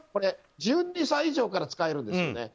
１２歳以上から使えるんです。